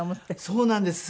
そうなんです。